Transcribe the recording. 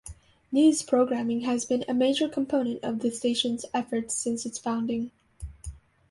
News programming has been a major component of the station's efforts since its founding.